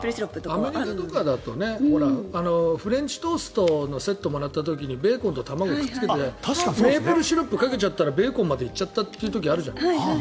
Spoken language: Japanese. アメリカとかだとフレンチトーストのセットをもらった時に、ベーコンと卵をくっつけてメープルシロップっかけたらベーコンまで行っちゃうことあるじゃないですか。